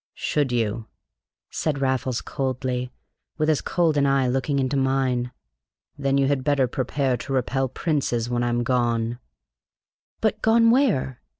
"Should you?" said Raffles coldly, with as cold an eye looking into mine. "Then you had better prepare to repel princes when I'm gone." "But gone where?"